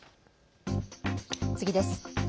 次です。